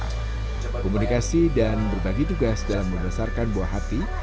komunikasi dan berbagi tugas dalam membesarkan buah hati